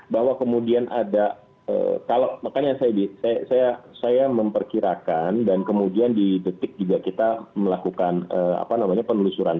bahwa kemudian ada kalau makanya saya di saya saya memperkirakan dan kemudian di detik juga kita melakukan apa namanya penelusuran